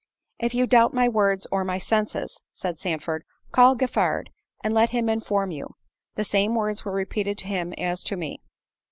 "If you doubt my words or my senses," said Sandford, "call Giffard, and let him inform you; the same words were repeated to him as to me."